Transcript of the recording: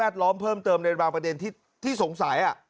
ล้อมเพิ่มเติมในบางประเด็นที่สงสัย